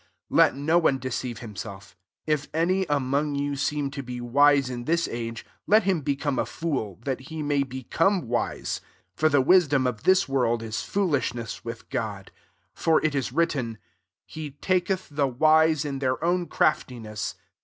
18 Let no one deceive him self. If any among you seem to ^ wise in this age, let him )ecome a fool, that he may b^ x)me wise. 19 For the wisdom )f this world is foolishness with Grod. For it is written, " He :aketh the wise in their own :raftiness."